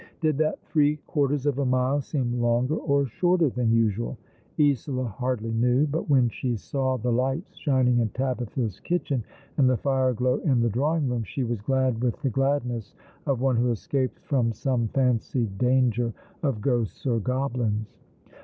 Did that three quarters of a mile seem longer or shorter than usual? Isola hardly knew; but when she saw the lights shining in Tabitha's kitchen, and the fire glow in tho drawing room, she was glad with the gladness of one who escapes from some fancied danger of ghosts or goblins.